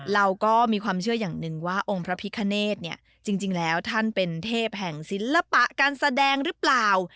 เราก็มีความเชื่ออย่างหนึ่งว่าองค์พระพิคเนธเนี่ยจริงแล้วท่านเป็นเทพแห่งศิลปะการแสดงหรือเปล่า